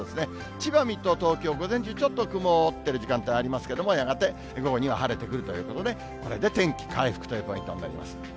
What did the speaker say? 千葉、水戸、東京、午前中、ちょっと曇っている時間帯ありますけども、やがて午後には晴れてくるということで、これで天気回復というポイントになります。